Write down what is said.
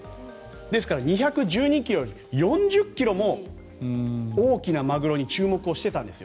ですから、２１２ｋｇより４０ｋｇも大きなマグロに注目をしていたんですよ。